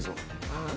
ああ？